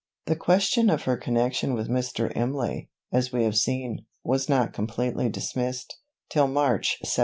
The question of her connection with Mr. Imlay, as we have seen, was not completely dismissed, till March 1796.